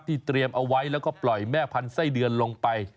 เตรียมเอาไว้แล้วก็ปล่อยแม่พันธุ์ไส้เดือนลงไป